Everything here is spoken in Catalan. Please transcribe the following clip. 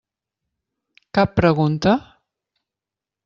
Cap pregunta?